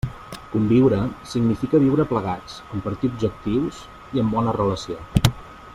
Conviure significa viure plegats, compartir objectius i en bona relació.